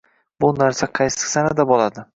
Bu narsa qaysi sanada bo'ladi?